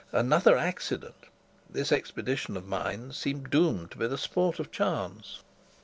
Another accident! This expedition of mine seemed doomed to be the sport of chance.